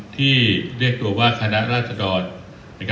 ที่เรียกตัวว่าคณะราชดร